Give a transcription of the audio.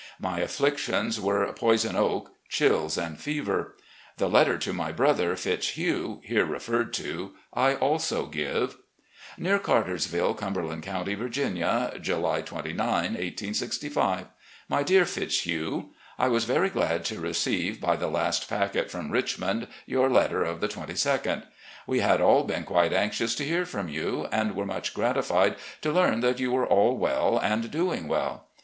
My afflictions were " poison oak,'' chills, and fever. The letter to my brother Fitz hugh, here referred to, I also give : "Near Carters ville, Cumberland Cotmty, Virginia, "July 29, 1865. "My Dear Fitzhugh: I was very glad to receive, by the last packet from Richmond, your letter of the 2 2d. We had all been quite anxious to hear from you, and were much gratified to learn that you were all well, and doing well.